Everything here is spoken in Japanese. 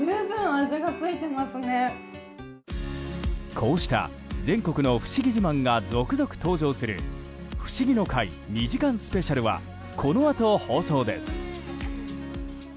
こうした全国の不思議自慢が続々登場する「フシギの会２時間スペシャル」はこのあと放送です。